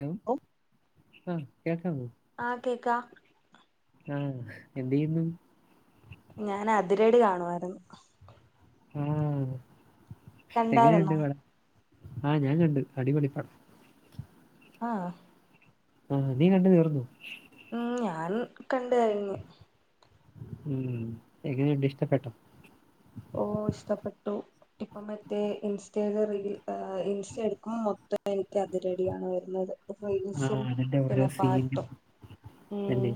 Hello ഓ ആ കേക്കാവോ ആഹ് കേക്കാ ആഹ് എന്ത് ചെയ്യുന്നു ഞാൻ അതിരടി കാണുവായിരുന്നു ആഹ് എങ്ങനെയുണ്ട് കണ്ടായിരുന്നോ പടം ആഹ് ഞാൻ കണ്ട് അടിപൊളി പടാ ആ ആഹ് നീ കണ്ടു തീർന്നോ ഉം ഞാൻ കണ്ട് കഴിഞ്ഞ് ഉം എങ്ങനെയുണ്ട് ഇഷ്ടപ്പെട്ടോ ഓ ഇഷ്ടപ്പെട്ടു ഇപ്പം മറ്റേ ഇൻസ്റ്റൽ റീൽ ഇൻസ്റ്റ എടുക്കുമ്പോ മൊത്തം എനിക്ക് അതിരടിയാണ് വരുന്നത് ആ റീൽസും അതിന്റെ ഓരോ പിന്നെ സീനും പാട്ടും ഉം അല്ലേ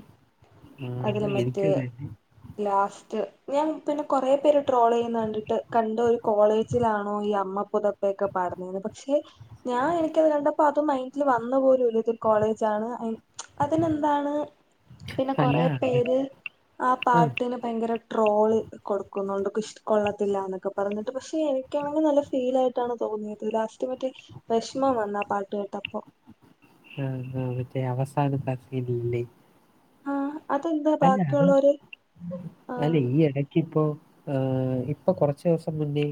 ആ അതിലെ മറ്റേ എനിക്കും അതെ ലാസ്റ്റ് ഞാൻ പിന്നെ കൊറേ പേരോ ട്രോൾ ചെയ്യുന്ന കണ്ടിട്ട് കണ്ട ഒരു കോളേജിലാണോ ഈ അമ്മ പുതപ്പോക്കെ പാടുന്നത് പക്ഷെ ഞാൻ എനിക്കത് കണ്ടപ്പോ അതും മൈന്റില് വന്ന പോലും ഇല്ല ഇതൊരു കോളേജാണ് അതിനെന്താണ് പിന്നെ അല്ല കൊറേ അത് പേര് ആ പാട്ടിന് ഭയങ്കര ട്രോള് കൊടുക്കുന്നോണ്ട് ഇഷ് കൊള്ളത്തില്ലിന്നൊക്കെ പറഞ്ഞിട്ട് പക്ഷെ എനിക്കാണെങ്കിൽ നല്ല ഫീൽ ആയിട്ടാണ് തോന്നിയത് ലാസ്റ്റ് മറ്റേ വിഷമം വന്ന് ആ പാട്ട് കേട്ടപ്പം ആഹ് ആ മറ്റേ അവസാന ഹഫില് ഇല്ലേ ആ അതെന്താ അല്ല അത് ബാക്കിയുള്ളവര് ആ അല്ലേ ഈ എട ഇപ്പോ ഇപ്പോ കുറച്ചു ദിവസം മുന്നേ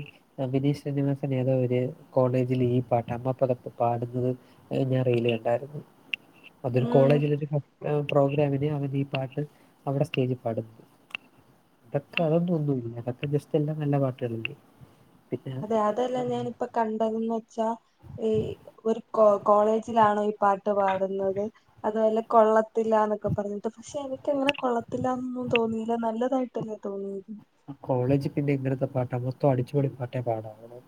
വിനീഷ് ശ്രീനിവാസൻ ഏതോര് കോളേജിൽ ഈ പാട്ടാ അമ്മ പുതപ്പ് പാടുന്നത് ഞാൻ റീല് കണ്ടായിരുന്നു അതൊരു ഉം കോളേജിലൊരു പ്രോഗ്രാമിന് അവന് ഈ പാട്ട് അവിടെ സ്റ്റേജി പാടും ഇതൊക്കെ ഉം അതൊന്നും ഒന്നുമില്ല അതൊക്കെ ജസ് ല്ലാം നല്ല പാട്ടുകളില്ലേ അതെ അതല്ല ഞാനിപ്പ കണ്ടത് ന്ന് വെച്ചാ ഈ ഒരു കോ കോളേജിലാണോ ഈ പാട്ട് പാടുന്നത് അതുപോലെ കൊള്ളത്തില്ല എന്നൊക്കെ പറഞ്ഞിട്ട് പക്ഷെ എനിക്ക് അങ്ങനെ കൊള്ളത്തില്ലാന്നും തോന്നിയില്ല നല്ലതായി തന്നെ തോന്നിയത് കോളേജ് പിന്നെ ഇങ്ങനത്തെ പാട്ടാ മൊത്തം അടിച്ചുപൊളി പാട്ടേ പാടാവോ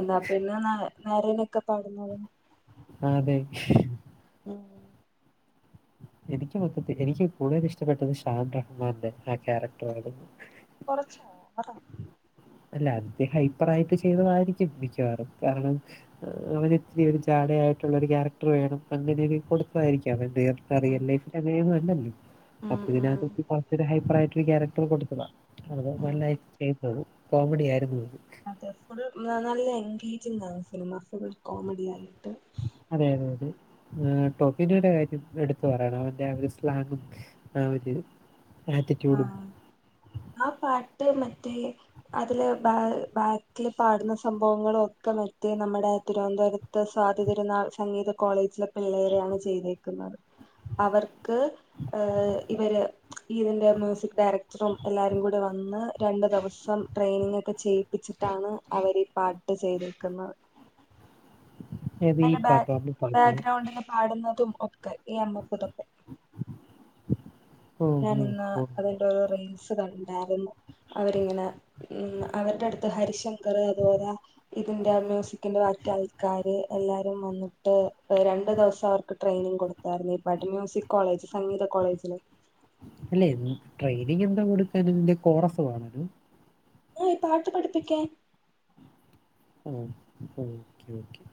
എന്നാ പിന്നെ നേരനൊക്കെ പാടുന്നതും അതെ മ്മ്ഹ്.. എനിക്ക് മൊത്തത്തില് എനിക്ക് കൂടുതൽ ഇഷ്ടപ്പെട്ടത് ഷാന്ത. മാന്റെ ആ ക്യാരക്ടർ വര്.. കൊറച്ചോവറ.. അല്ല അത്ഹൈപ്പറായിട്ട്. ചെയ്തതായിരിക്കും മിക്കവാറും കാരണം.. അവര് ഇത്തിരി ഒരു ചാടയായിട്ടുള്ളൊരു ക്യാരക്ടർ വേണം പ്പ അങ്ങനെയൊ കൊടുതായിരിക്കാം എന്ത്യ്യാം.. ആ. ഉം റിയൽ ലൈഫിൽ അങ്ങേനെഒന്നും അല്ലല്ലോ. അപ്പൊ ഉം ഉം ഇതിനകത്ത് കൊ റച്ചരു ഹൈപ്പറായിട്ട് ഒരു കേരക്ടർ കൊടുത്തതാ.. അത് ഉം നല്ലയി ചെയ്തത് കോമഡി ആയിരുന്നു. ഇത്.. അതെ ഫുൾ നല്ല എൻഗേജ്ങ്ങാണ് സിനിമ ഫുൾ കോമഡിയയിട്ട്.. അതെ അതെ അതെഹ്ഹ് ടോഫിനയുടെ കാര്യം എടുത്തു പറയണം അവന്റെ അവര് സ്ലാങ്ങും.. ആ. ഒര് ആറ്റിക്യുടും.. ആഹ് ആ പാട്ട് മറ്റേ.. അതില് ബാ ബാക്കിൽ പാടുന്ന സംഭവങ്ങളോ ഒക്കെ മറ്റേ നമ്മടെ തിരുവന്ധോരത്ത്.. സതിതിരുന്നാൾ സംഗീത കോളേജിലെ പിള്ളേരെണ് ചെയ്തേക്കുന്നത്.. അവർക്. ഹ്ഹ് ഇവര് ഈതിന്റെ.. മ്യൂസിക് ഡയറക്ടറും എല്ലാരും കൂടെ വന്ന്.. രണ്ടു ദിവസം ട്രെയിനിങ് ഒക്കെ ചെയ്യിപ്പിച്ചിട്ടാണ് അവര് ഈ പാട്ട് ചെയ്തിരിക്കുന്നത്.. ഏത് ഈ ആയിലെ ബാ പാട്ടോ അമ്മ പാട്ടോ ബാഗ്രൗണ്ടില് പാടുന്നതും ഒക്കെ ഈ അമ്മപ്പതൊക്കെ.. ഓ ഞാൻ ഉം, ഇന്ന് ഉം. അതിന്റെ ഒരു റീൽസ് കണ്ടായിരുന്നു അവരിങ്ങനെ.. മ്മ്ഹ്. അവന്റെ അടുത്ത് ഹരിശങ്കർ അതുവൊലാ.. ഇതിന്റെ ആ. മ്യൂസിക്കിന്റെ വർക് ആയിക്കാര് എല്ലാരും വന്ന്.. ഏ. രണ്ട് ദിവസം അവർക്ക് ട്രെയിനിങ് കൊടുത്തായിരുന്നു ഇപ്പടി. മ്യൂസിക് കോളേജ് സംഗീത കോളേജില്.. അല്ലെ ന്. ട്രെയിനിങ് എന്താ കൊടുക്കാനു ഇതിന്റെ കോറസ് വണരു.. ആഈ പാട്ട് പഠിപ്പിക്കേൻ.. ആഹ ഓക്കെ ഓക്കേ..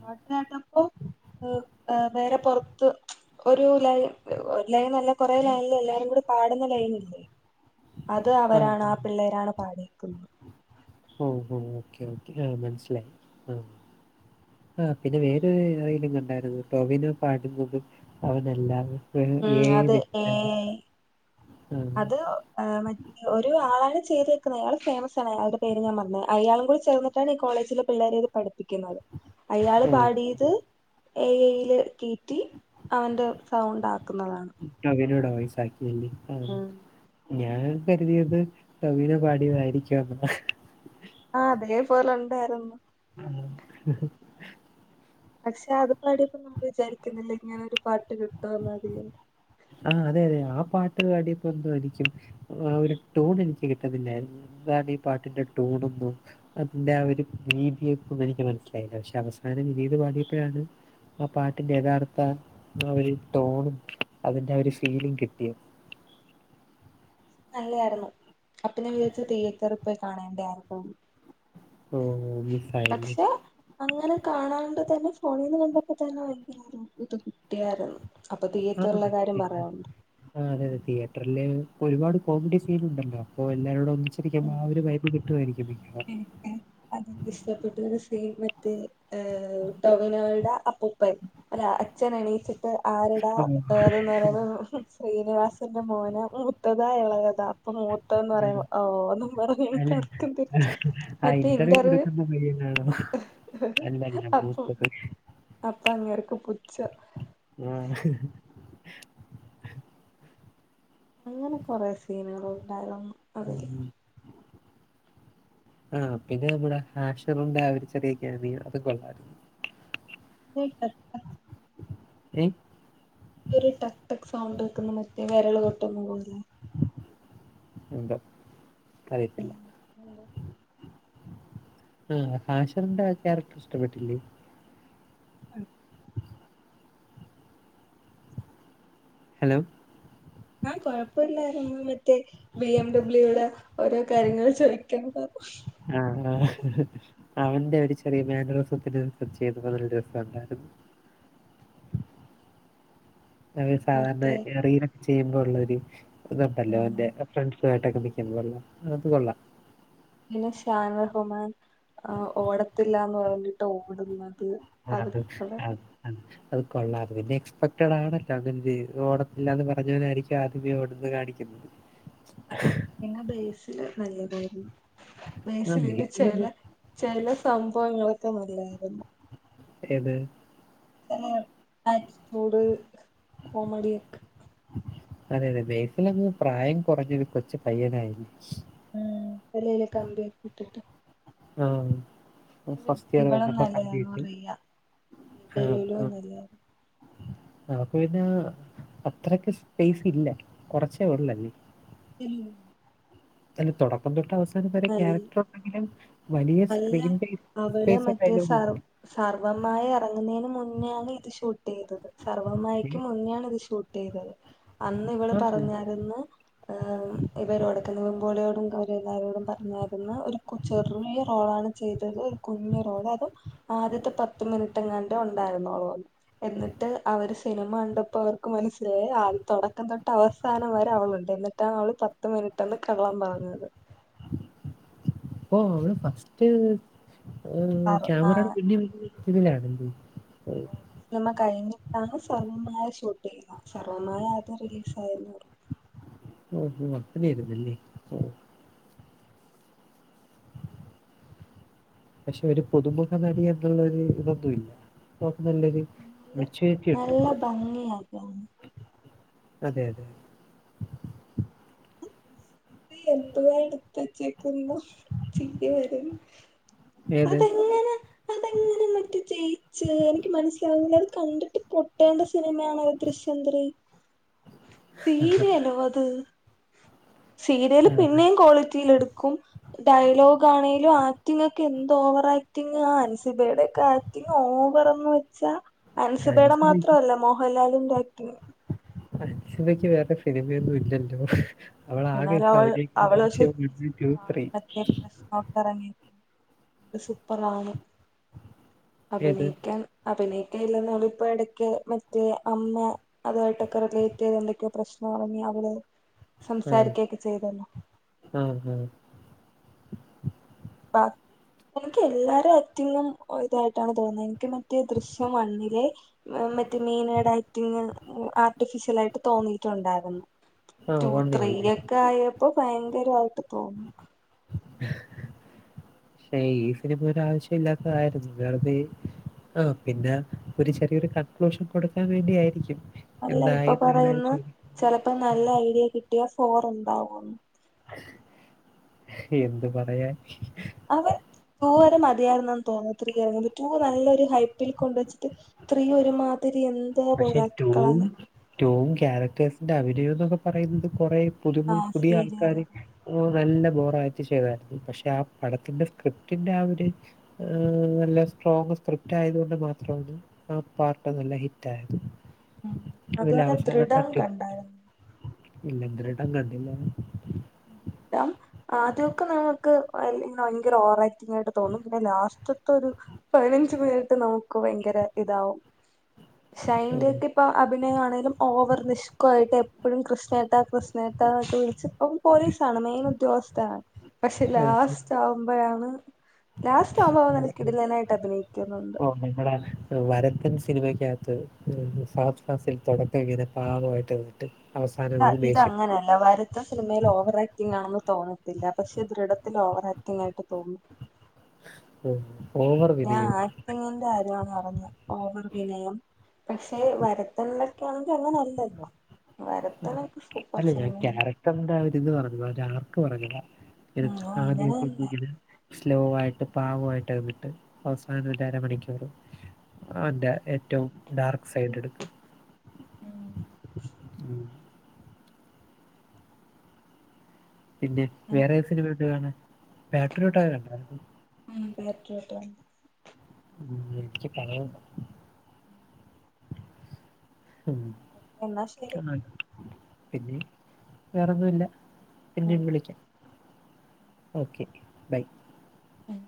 പാട്ട്കെട്ടപ്പോ ഹ് ഹേ. വേറെ പൊറത്ത്.. ഒരു ലൈ ഒരു ലൈനല്ല കുറെേ ലൈന് ല് എല്ലാരും കൂടി പാടുന്ന ലൈനില്ലേ.. [inaudible] അത് അവരാണ് ആ പിള്ളേരാണ് പാടി ക്കുന്നേ.. മ്ഹ്. ഹ്ഹ്ഹ്. ഓക്കേ ഓക്കേ ആഹ മൻ സ്സിലായി ആ.. ആഹ് പിന്നെ വേറൊരു ഇനിങ്ങു ണ്ടായിരുന്നു ടോവിനോ പാട്ന്നതും അവനല്ലന്ന്. മ്മ്ഹ്. അതെ. ഏഐ. ആഹ് അത് ആ മ ഒരു ആളാണ് ചെയ്തെക്ക്‌ന്നെ. അയാള് ഫേമസാണ് അയാളുടെ പേര് ഞാൻ മറന്നു അയാളും കൂടി ചേർന്നിട്ടാണ്ഈ കോളേജിലേ പിള്ളേരൊകെ പഠി ഇക്കിന്നത്. അയാള് ഓഹ് പാടിയത് എ യില് കീറ്റി അവന്റെ സൗണ്ടാ. ക്കുന്നതാണ്. ടോവിനോടെ ഓയിസാക്കിഎങ്കി ആഹ്. ഞാൻ കരുതിയത് ടോവിനോ പാടിയതായിരിക്കുന്ന. ആ അതേപോലെണ്ടാര്ന്നു. ആഹ്, ഹ്ഹ്ഹ്. പക്ഷെ അത് പാടിയപ്പോ നമ്മൾ വിചാരിക്കുന്നില്ല ഇങ്ങനെ ഒരു പാട്ട് കിട്ടോന്ന്അതില്. ആ. അതെ, അതെ ആ പാട്ട് പാടിയപ്പോ എന്തോ എനിക്കും. ആ ഒരു ടൂൺ എനിക്ക് കിട്ടുന്നില്ലായിരുന്നു. ന്താരെ ഈ പാട്ടിന്റെ ടൂണൊന്നും. അതിന്റെ ആ ഒരു രീതി ഇപ്പന്നും എനിക്ക് മനസ്സിലായില്ല. പക്ഷെ അവസാനം രീത് പാടിയപ്പഴാണ്. ആ പാട്ടിന്റെ യഥാർത്ഥ ആ ഒരു ടോണും അതിന്റെആ ഒരു ഫീലിം കിട്ടിയത്. നല്ലെയാരുന്നു അപ്പഞവിചാരിച്ചു. തിയേറ്റർ പോയി കാണേണ്ടായിരിക്കുന്ന്. പ്രോമിസ്. പട്ക്ഷെ. അങ്ങനെ കാണാണ്ട് തന്നെ ഫോണീന്ന് കണ്ടപ്പോതന്നെ [unintelligible] ഇത് കി ട്ടിയാരുന്നു.. അപ്പൊ തിയേറ്റർലെ കാര്യം പറയാണ്ട. ആ അതെ, അതെ തിയേറ്ററില് ഒരുപാട് കോമഡി സീൻ ഉണ്ടല്ലോ. അപ്പൊ എല്ലാരുട ഒന്നിച്ച് ആ ഒരു വൈബ് കിട്ടുആയിരിക്കും മിക്കവാറും. അത് ഇഷ്ടപ്പെട്ട ഒരു സീൻ മറ്റേ ടൊവനോയുടെ അപ്പു പ്പൻ. അല്ല അച്ഛനെണീച്ച് ആരട ആഹ് ഏതന്ന് പറയുന്നത് ശ്രീനിവാസന്റെ മോന മൂത്തതാ എളെയത. അപ്പൊ മൂത്തത് ന്ന് ആഹ് പറയുമ്പോ ഓ ഒന്നും പറഞ്ഞ അല്ല കിടക്ക [inaudible] ആ ഹ് ഇന്റർവ്യൂ. ടുക്കുന്ന പയ്യനാണോ അല്ല ഇത അപ്പം മൂത്തത്. അപ്പ അങ്ങെർക്ക് പുച്ച. ആ ഹ്. അങ്ങന കൊറെ സീനുകളുണ്ടായിരുന്നു അതില്. [inaudible] ആ പിന്നെ നമ്മടെ ഹാഷർന്റെ അവ ഒരു ചെറിയൊക്കൊണ് അതും കൊള്ളാര് [unintelligible] ഏയ് ഒരു ടക്, ടക് സൗണ്ട് വെക്കുന്ന മറ്റേ വിരൾ തൊട്ടൊന്നും പോല്ല. എന്ത അറിയത്തില്ല. ആ ഹാഷിറിന്റെ ക്യാരക്ടർ ഇഷ്ടപ്പെട്ടില്ലേ. അക്ക [unintelligible] ഹലോ? ആഹ് കൊഴപ്പൂല്ലാരുന്നു. മറ്റേ ബി എം ഡബ്ല്യൂടെ ഓരോ കാര്യങ്ങൾ ചോദിക്കാൻ പറു ആഹ്, ആഹ് അവന്റെ ഒരു ചെറിയ മാനുറോസത്തിന്റെ ദിവസം ചെയ്ത് അതൊരു രസം ഉണ്ടരുന്നു. അവര് സാധാരണ മറ്റേ റീലക്ക ചെയ്യുമ്പോള്ള ഒരു ഇതുണ്ടല്ലോ അവന്റെ ഫ്രണ്ട്സുആയിട്ടൊക്കെ നിക്കുന്നത് കൊള്ള അത് കൊള്ളാം. പിന്നെ ഷാൻ റഹ്മാൻ ഓടത്തില്ലാന്ന് പറഞ്ഞിട്ട് ഓടുന്നത്. അത് അതൊക്കെക്കൂടെ ആ, അ അത് കൊള്ളാ പിന്നെ എക്സ്പെക്റ്റഡ് ആണല്ലോ അങ്ങ ഓടത്തില്ലാന്ന് പറഞ്ഞോനായിരിക്കും ആദ്യം ഓടന്ന് കാണിക്കുന്നത്. [unintelligible] പിന്ന ബേസില് നല്ലതായിരുന്നു. ആ ബേസിലിന്റെ ചെല ബേസിലങ്ങ് ചില സംഭവങ്ങളൊക്കെ നല്ലായിരുന്നു ഏത് ആറ്റിറ്റ്യൂഡ് കോമഡി ഒക്കെ അതെ അതെ ബേസിലങ്ങ് പ്രായം കുറഞ്ഞത് കൊച്ച പയ്യനായിരുന്നു ഉം തലയില കാംമ്പിട്ടട്ട് ആഹ് ഫസ്റ്റ് ഇയർ ഇവളും വപ്പോ കണ്ടീട്ട് നല്ലതായിരുന്നു റിയ ആഹ് ആഹ് ഡെലുലുന്നല്ലേ അപ്പ പിന്നെ അത്രക്ക സ്പേസ് ഇല്ല കൊറച്ചേള്ളല്ലേ ഉം അതി തുടക്കം തൊട്ട് അവസാനം വരെ അൽ ക്യാരക്ടർ ഉണ്ടെങ്കിലും വലിയ അല്ല സ്ക്രീൻ സ്പേ ഒക്കെ അ സർവ്വമായി ഇറങ്ങുന്നതിന് മുന്നെയാണ് ഇത് ഷൂട്ട് ചെയ്തത് സർവ മമായിയ്ക്ക് മുന്നോണ് ഇത് ഷൂട്ട് ചെയ്തത് അന്ന് ഇവൾ ആണോ? പറഞ്ഞരന്ന് ് ഇവരോടക്ക നിവിൻ പൊളി പോലെയോടും അവ എല്ലാവാരോടും പറഞ്ഞായിരുന്ന ഒരു കുച്ചെറിയാ റോളാണ് ചെയ്തത് കുഞ്ഞു റോള് അതും ആദ്യത്തെ പത്ത് മിനിറ്റ്ങ്ങാണ്ട് ഉണ്ടായിരുന്നുള്ളോന്ന് എന്നിട്ട് അവര് സിനിമ ണ്ടപ്പോ അവർക്ക് മനസ്സിലായി ആദ്യം തുടക്കം തൊട്ട് അവസാനം വരെ അവളുണ്ട് എന്നിട്ട് ഇന്നടോൾ പത്ത് മിനിറ്റാണ് കള്ളൻ പറഞ്ഞത് ഓ അവള് ഫസ്റ്റ് സർ ആഹ് ക്യാമറയുടെ പിന്നി വ ഇതിലാണല്ലെ നമ്മ കഴിഞ്ഞിട്ട് ആണ് സർവ്വമായ ഷൂട്ട് ചെയ് സർവ്വമായ അത് റിലീസ് ആയന്ന് പറു ഓഹ് ഓഹ് അങ്ങനെ ആരുന്നല്ലേ പഷെ ഒര് പുതുമുഖനടി എന്ന്ള്ളൊര് ഇതൊന്നുല്ല [unintelligible] നല്ലൊര് നല്ല നല്ല ഭംഗിയാ കാണാൻ അതെ അതെ ഇത് എന്തുവ എട്ത്തെച്ചക്ക്ന്നു ചിരി വരും ഏത് അതെങ്ങനെ [inaudible] ജയിച്ചൂ എനിക്ക് മനസ്സിലാവ്ന്നില്ല അത് കണ്ടിട്ട് പൊട്ടേണ്ട സിനിമയാണ് ദൃശ്യം ത്രീ [inaudible] സീരിയലോ അത് സീരിയല് ആ, പിന്നെയും ക്വാളിറ്റിയിലിടുക്കും ഡയലോഗ് ആണേലും ആക്ടിങ് ക്കെന്ത ഓവറാക്ടിങാ അൻസിബയുടെക്കെ ആക്ടിങ് ഓവറെന്ന് വെച്ചാ അൻസിബേടെ അൻസിബയ്ക്ക് മാത്രല്ല മോഹൻലാലിന്റെ ആക്ടിങ്ങ് അൻസിബയ്ക്ക് വേറെ സിനിമിയൊന്നുല്ലല്ലൊ അവളാകെ എന്നാലും ഇപ്പ അവൾ അഭിനയി അവള് പക്ഷെ ദൃശ്യം [unintelligible] ട്ടൂ ത്രീ എറങ്ങി ഇത് സൂപ്പറാണ് ഏത് അഭിനയ്ക്കാൻ അഭിനയിക്കാ ഇല്ലെന്ന് അവളിപ്പ എടക്ക് മറ്റെ അമ്മ അതോട്ടൊക്കെ ലെയ്റ്റായി എന്തെക്കൊ പ്രശ്നായി അവര് സംസാരിക്കകൊ ചെയ്തല്ലൊ ഹ്മ്മ് ഹ്മ്മ് പ എൻക്ക് എല്ലാരക്ടിങും ഒരിതായ്ട്ടാണ് തോന്ന്യത് എനിക്ക് മറ്റെ ദൃശ്യം വണ്ണിലെ മറ്റെ മീനേടെ ആക്ടിങ് ആർട്ടിഫിഷ്യലായിട്ട് തോന്നീട്ടുണ്ടായിരുന്നു ആ ട്ടൂ ത്രീ വണ്ണിനല്ലേ ഒക്കായപ്പൊ ഭയങ്കരായിട്ട് തോന്നി ലൈഫില് ഇപ്പോ ഒരാവശ്യം ഇല്ലാത്തതായിരുന്നു വെറുതെ ആഹ് പിന്ന ഒര് ചെറിയൊരു കൺക്ലൂഷൻ കൊടുക്കാൻ വേണ്ടി ആയിരിക്കും അല്ല ഇപ്പ പറയ്ന്ന ചെലപ്പൊ നല്ല ഐഡിയ കിട്ട്യാ ഫോറുണ്ടാവുംന്ന് എന്ത് പറയാൻ അവർ ട്ടൂ വരെ മതിയായ്ര്ന്നെന്ന് തോന്നി ത്രീ എറങ്ങി ട്ടൂ നല്ലൊരു ഹൈപ്പ്ല് കൊണ്ടച്ച്ട്ട് ത്രീ ഒര്മാതിരി എന്ന് പഷെ ട്ടൂം ട്ടൂം ക്യാരറ്റേഴ്സിന്റെ അഭിനയൊന്നൊക്കെ പറയുമ്പ കൊറേ പുതുമു ആ പുതിയ സീരിയല് ആൾക്കാര് ഓഹ് നല്ല ബോറായിട്ട് ചെയ്തതാണ് പഷെ ആഹ് പടത്തിന്റെ സ്ക്രിപ്റ്റിന്റെ ആഹ് ഒര് ആഹ് നല്ല സ്ട്രോങ് സ്ക്രിപ്റ്റായതോണ്ട് മാത്രാണ് ആഹ് പാർട്ട് നല്ല ഹിറ്റ് ഹിറ്റായത് അതിൽ അതുപോലെ അവസാന്നത് ദൃഢം കണ്ടായിരുന്നു ഇല്ല ദൃടം കണ്ടില്ല [unintelligible] ടം ആദ്യൊക്കെ നമ്മക്ക് ഭയങ്കര ഓവറായിട്ട് തോന്നും പിന്ന ലാസ്റ്റ് ദ്യത്തൊരു പയിനഞ്ച് മിൻറ്റ് നമ്മക്ക് ഭയങ്കര ഇതാവും ഷൈന്റൊക്കൊര് ഇപ്പം അഭിനയാണേലും ഓവർ നിഷ്കൊ ആയിട്ട് എപ്പഴും കൃഷ്ണേട്ട കൃഷ്ണേട്ട എന്നൊക്കെ വിള്ച്ച് പോലീസാണ് മെയിൻ ഉദ്യോഗസ്ഥനാണ് പക്ഷെ ആ, ലാസ്റ്റാവുമ്പഴാണ് ലാസ്റ്റ് ആവുമ്പ നല്ല ക്കിടിലനായിട്ട് അഭിനയിക്കുന്നുണ്ട് പം നിങ്ങടെ വരത്തൻ സിനിമയ്ക്കകത്ത് ഏഹ് ഫഹദ് ഫാസിൽ തൊടക്കം ഇങ്ങനെ പാവായിട്ട് ആഹ് ഇത അങ്ങനെയല്ല വര സിനിമയിൽ ഓവറാക്ടിംഗാണെന്ന് തോന്നത്തില്ല പക്ഷെ ദൃഢത്തിൽ ഓവറാക്ടിങായിട്ട് തോന്നും ഉം ഓവർ ഞാൻ വിനയം ആക്ടിങ്ങിന്റെ കാര്യാണ് പറഞ്ഞെ ഓവർ വിനയം പക്ഷെ വരത്തന്റെക്കാണെങ്കിൽ അങ്ങനെ അല്ലല്ലൊ വരത്തനൊക്കെ സൂപ്പർ സിനിമെയല്ലേ ഇണ്ടാവര്ന്ന് പറഞ്ഞു അവരാർക്ക് പറഞ്ഞു ഉം അങ്ങനെ തന്നെ [unintelligible] സ്ലോ ആയ്ട്ട് പാവായ്ട്ട് വിട്ടെ അവസാനം മറ്റേ അര മണിക്കൂറ് ഓന്റ ഏറ്റവും ഡാർക്ക് സൈഡ് ഇട്ക്ക് ഉം ഉം. പിന്നെ വേറെ ഏതൊക്കെ സിനിമ കാണാൻ പത്രിയൊട്ട് കണ്ടോ ഉം പെറ്ററിട്ടാ കണ്ടു [unintelligible] [inaudible] ഉ എന്നാ ശരി പിന്നെ വേറോന്നും ഇല്ല ഉം പിന്നേം വിളിക്കാം ഓക്കെ ബൈ ഉം